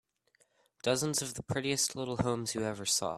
Dozens of the prettiest little homes you ever saw.